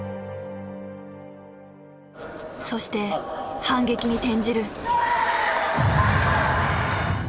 そして反撃に転じる。